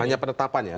hanya penetapan ya